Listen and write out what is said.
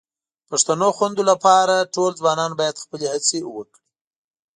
پښتو خوندي لپاره ټول ځوانان باید خپلې هڅې وکړي